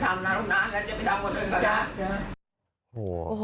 โอ้โห